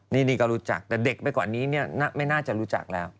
นี่ก็รู้จักแต่เด็กไปกว่านี้ไม่น่าจะรู้จักแล้ว